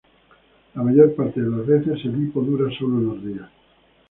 La mayor parte de las veces, el hipo dura solo unos minutos.